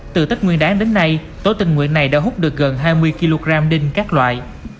từ tết nguyên đáng đến nay tổ tình nguyện này đã hút được gần hai mươi kg đinh các loại